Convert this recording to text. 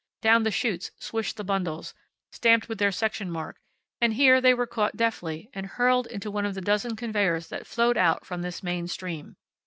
Down the chutes swished the bundles, stamped with their section mark, and here they were caught deftly and hurled into one of the dozen conveyers that flowed out from this main stream.